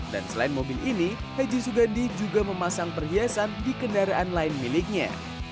dan selain mobil ini haji sugandi juga memasang perhiasan di kendaraan lain miliknya